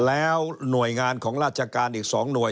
แล้วหน่วยงานของราชการอีก๒หน่วย